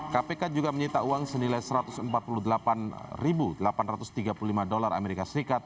kpk juga menyita uang senilai satu ratus empat puluh delapan delapan ratus tiga puluh lima dolar as